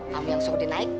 kamu yang suruh dia naik